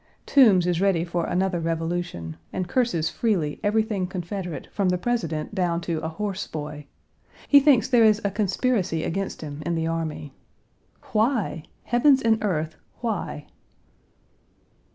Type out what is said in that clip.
Toombs is ready for another revolution, and curses freely everything Confederate from the President down to a horse boy. He thinks there is a conspiracy against him in the army. Why? Heavens and earth why?